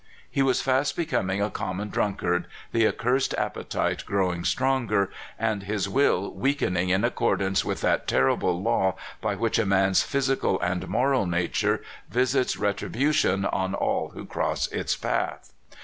He was fast becoming a common drunkard, the ac cursed appetite growing stronger, and his will weakening in accordance with that terrible law by which man's physical and moral nature visits ret ribution on all who cross its path.